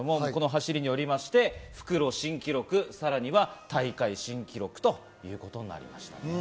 この走りによりまして、復路新記録、さらには大会新記録ということになりました。